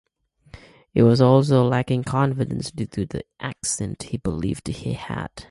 He was also lacking confidence due to the accent he believed he had.